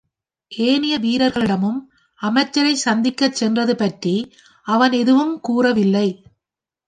ஏனைய வீரர்களிடமும் அமைச்சரைச் சந்திக்கச் சென்றது பற்றி அவன் எதுவும் கூறவில்லை.